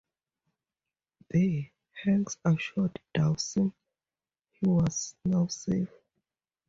There, Hanks assured Dawson he was now safe.